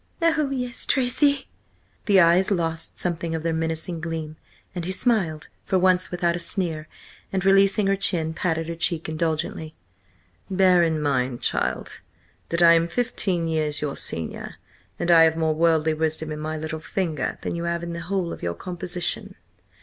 "Oh, yes, Tracy!" The eyes lost something of their menacing gleam, and he smiled, for once without a sneer, and releasing her chin, patted her cheek indulgently. "Bear in mind, child, that I am fifteen years your senior, and I have more worldly wisdom in my little finger than you have in the whole of your composition.